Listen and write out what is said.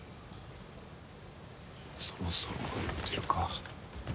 そろそろ終わってるか。